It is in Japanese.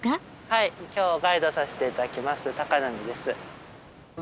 はい今日ガイドさせて頂きます波です。